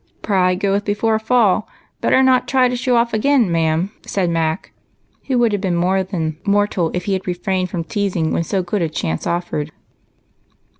A HAPPY BIRTHDAY. 153 " Pride goeth before a fall, — better not try to show off again, ma'am," said Mac, who would have been more than mortal if he had refrained from teasing when so good a chance offered.